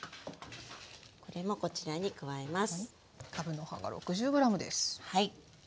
これもこちらに加えます。